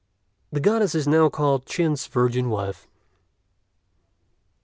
The Goddess is now called Chin's virgin wife.